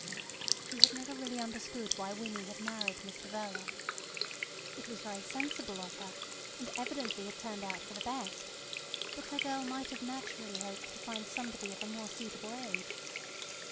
She had never really understood why Winnie had married Mr Verloc. It was very sensible of her, and evidently had turned out for the best, but her girl might have naturally hoped to find somebody of a more suitable age.